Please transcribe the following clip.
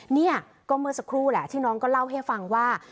เนี่ยก็เมื่อสักครู่แหละที่น้องก็เล่าให้ฟังว่า